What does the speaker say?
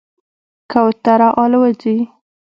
کوتره الوځي.